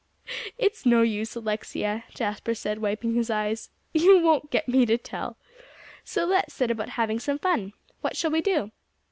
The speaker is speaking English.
"It's no use, Alexia," Jasper said, wiping his eyes, "you won't get me to tell. So let's set about having some fun. What shall we do?"